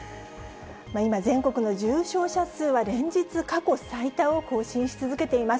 今、全国の重症者数は連日、過去最多を更新し続けています。